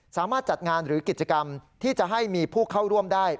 จัดงานหรือกิจกรรมที่จะให้มีผู้เข้าร่วมได้